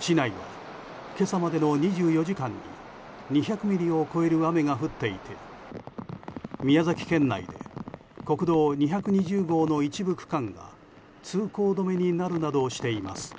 市内は今朝までの２４時間に２００ミリを超える雨が降っていて宮崎県内で国道２２０号の一部区間が通行止めになるなどしています。